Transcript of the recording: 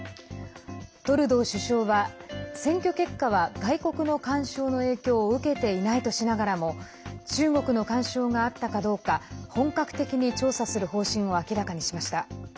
トルドー首相は、選挙結果は外国の干渉の影響を受けていないとしながらも中国の干渉があったかどうか本格的に調査する方針を明らかにしました。